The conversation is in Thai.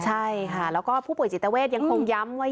ใช่ค่ะแล้วก็ผู้ป่วยจิตเวทยังคงย้ำว่า